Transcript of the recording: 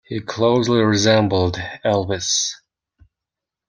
He closely resembled Elvis.